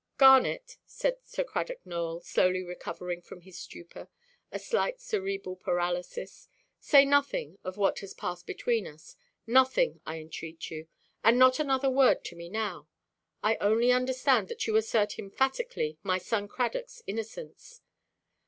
"Garnet," said Sir Cradock Nowell, slowly recovering from his stupor, a slight cerebral paralysis, "say nothing of what has passed between us—nothing, I entreat you; and not another word to me now. I only understand that you assert emphatically my son Cradockʼs innocence."